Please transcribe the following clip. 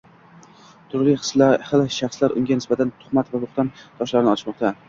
turli hil shaxslar unga nisbatan tuxmat va boʻxton toshlarini otishmoqda.